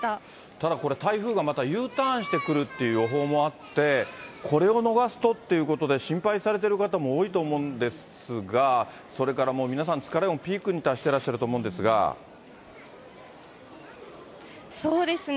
ただこれ、台風がまたＵターンしてくるという予報もあって、これを逃すとっていうことで、心配されてる方も多いと思うんですが、それからもう皆さん疲れもピークに達してらっしゃると思うんですそうですね。